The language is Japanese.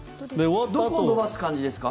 どこを伸ばす感じですか？